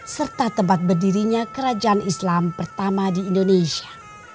serta tempat berdirinya kerajaan islam pertama di indonesia